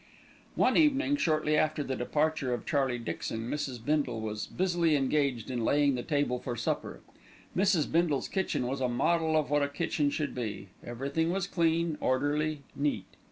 One evening, shortly after the departure of Charlie Dixon, Mrs. Bindle was busily engaged in laying the table for supper. Mrs. Bindle's kitchen was a model of what a kitchen should be. Everything was clean, orderly, neat.